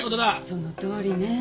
そのとおりね。